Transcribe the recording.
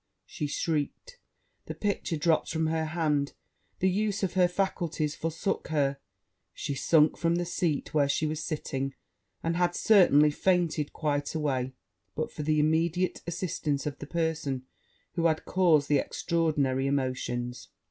She shrieked the picture dropped from her hand the use of her faculties forsook her she sunk from the seat where she was sitting, and had certainly fainted quite away but for the immediate assistance of the person who had caused the extraordinary emotions.